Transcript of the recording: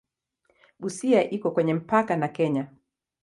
Busia iko kwenye mpaka na Kenya.